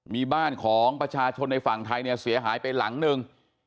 มีบ้านของประชาชนในฝั่งไทยเนี่ยเสียหายไปหลังหนึ่ง